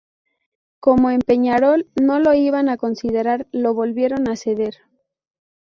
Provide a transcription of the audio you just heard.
Como en Peñarol no lo iban a considerar, lo volvieron a ceder.